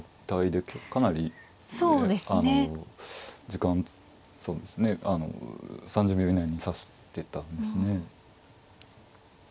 時間そうですねあの３０秒以内に指してたんですね。